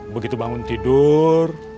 begitu bangun tidur